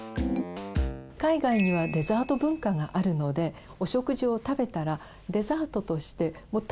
海外にはデザート文化があるのでお食事を食べたらデザートとしてたっぷり甘いものを食べる。